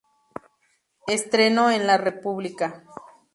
Estreno en la Rep.